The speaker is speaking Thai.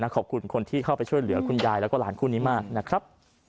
ขอบคุณคนที่เข้าไปช่วยเหลือคุณยายแล้วก็หลานคู่นี้มากนะครับ